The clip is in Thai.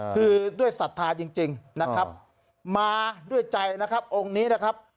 คือด้วยศรัทธาจริงนะครับมาด้วยใจนะครับองค์นี้นะครับ